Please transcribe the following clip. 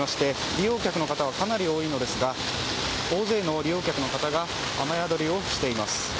利用客の方はかなり多いのですが大勢の利用客の方が雨宿りをしています。